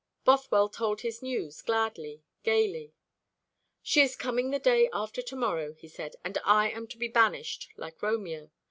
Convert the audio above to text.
Bothwell told his news gladly, gaily. "She is coming the day after to morrow," he said, "and I am to be banished, like Romeo.